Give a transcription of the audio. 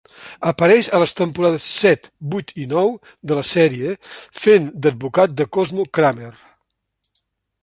Apareix a les temporades set, vuit i nou de la sèrie fent d'advocat de Cosmo Kramer.